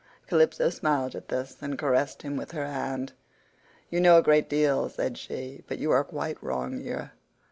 Calypso smiled at this and caressed him with her hand: "You know a great deal," said she, "but you are quite wrong here.